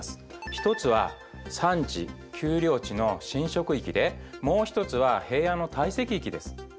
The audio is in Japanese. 一つは山地丘陵地の侵食域でもう一つは平野の堆積域です。